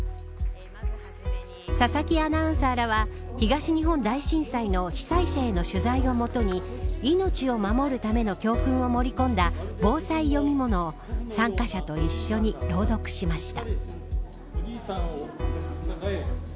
佐々木アナウンサーらは東日本大震災の被災者への取材を基に命を守るための教訓を盛り込んだぼうさい読み物を参加者と一緒に朗読しました。